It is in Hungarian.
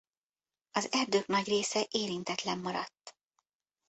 Az erdők nagy része érintetlen maradt.